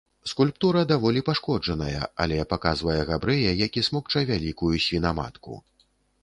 Скульптура даволі пашкоджаная, але паказвае габрэя, які смокча вялікую свінаматку.